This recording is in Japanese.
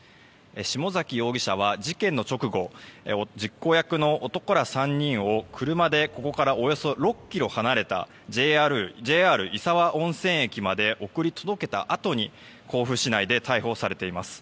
下崎容疑者は事件の直後実行役の男ら３人を車でここからおよそ６ｋｍ離れたＪＲ石和温泉駅まで送り届けたあとに甲府市内で逮捕されています。